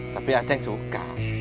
tapi a ceng suka